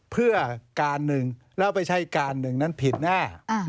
เพื่อการหนึ่งแล้วไปใช้การหนึ่งนั้นผิดแน่